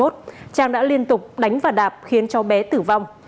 trang đã liên tục đánh và đạp khiến cháu bé tử vong